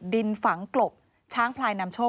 ดินฝังกลบช้างพลายนำโชค